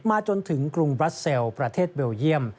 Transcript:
จนถึงกรุงบราเซลประเทศเบลเยี่ยม